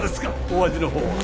お味のほうは。